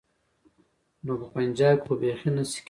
نو په پنجاب کې خو بيخي نه شي کېدای.